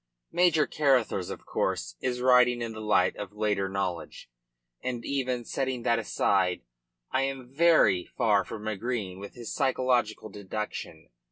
Major Carruthers, of course, is writing in the light of later knowledge, and even, setting that aside, I am very far from agreeing with his psychological deduction.